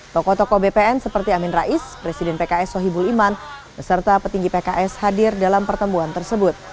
tokoh tokoh bpn seperti amin rais presiden pks sohibul iman beserta petinggi pks hadir dalam pertemuan tersebut